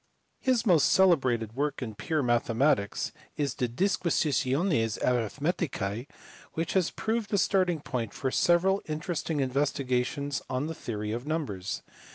His most celebrated work in pure mathematics is the Disquisitiones Arithmeticae which has proved a starting point for several interesting investigations on the theory of numbers.